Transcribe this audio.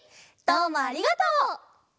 どうもありがとう！